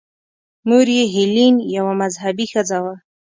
مور یې هیلین یوه مذهبي ښځه وه.